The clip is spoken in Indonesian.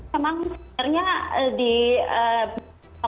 memang sebenarnya di